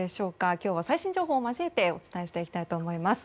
今日は最新情報を交えてお伝えしていきたいと思います。